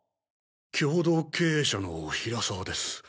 共同経営者の平沢です。